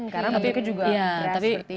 karena muka juga keras seperti ini ya